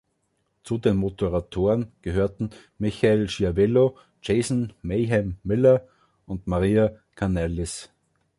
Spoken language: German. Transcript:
Zu den Moderatoren gehörten Michael Schiavello, Jason „Mayhem“ Miller und Maria Kanellis.